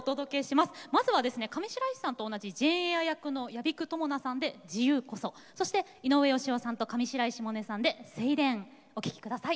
まずは上白石さんと同じジェーン・エア役の屋比久知奈さんで「自由こそ」。そして井上芳雄さんと上白石萌音さんで「セイレーン」お聴きください。